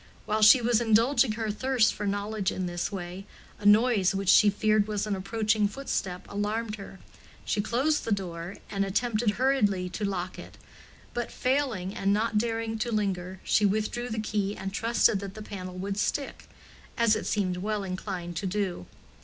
While she was indulging her thirst for knowledge in this way, a noise which she feared was an approaching footstep alarmed her: she closed the door and attempted hurriedly to lock it, but failing and not daring to linger, she withdrew the key and trusted that the panel would stick, as it seemed well inclined to do.